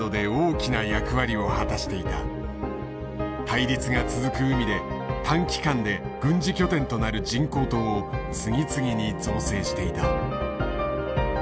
対立が続く海で短期間で軍事拠点となる人工島を次々に造成していた。